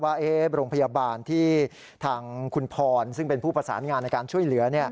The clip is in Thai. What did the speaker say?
ว่าโรงพยาบาลที่ทางคุณพรซึ่งเป็นผู้ประสานงานในการช่วยเหลือ